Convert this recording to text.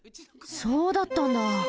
そうだったんだ。